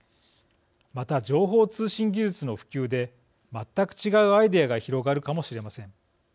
また、情報通信技術の普及で全く違うアイデアが広がるかもしれません。